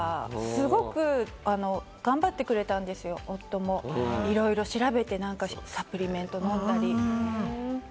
すごく頑張ってくれたんですよ、夫もいろいろ調べて、サプリメント飲んだり。